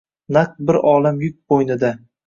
Naq bir olam yuk bo’ynida